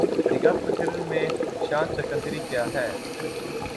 نگاہ فقر میں شان سکندری کیا ہے